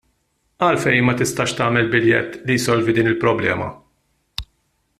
Għalfejn ma tistax tagħmel biljett li jsolvi din il-problema?